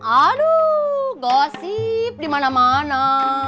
aduh gosip dimana mana